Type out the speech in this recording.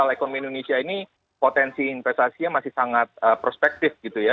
kalau ekonomi indonesia ini potensi investasinya masih sangat prospektif gitu ya